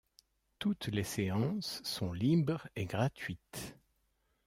Toutes les séances sont libres et gratuites.